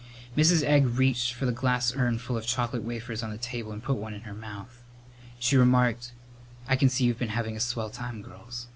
Mrs. Egg reached for the glass urn full of chocolate wafers on the table and put one in her mouth. She remarked, "I can see you've been having a swell time, girls.